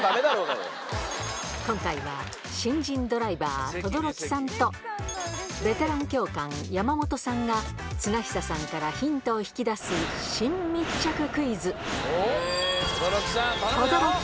今回は新人ドライバー、轟さんと、ベテラン教官、山本さんが綱久さんからヒントを引き出す新密着クイズ。